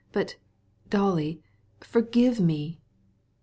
But, Dolly, forgive me!"